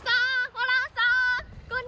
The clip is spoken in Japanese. ホランさーん！